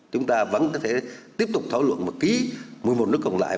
chúng ta vẫn có thể tiếp tục thảo luận và ký một mươi một nước còn lại